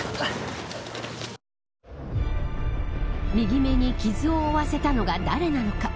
右眼に傷を負わせたのが誰なのか。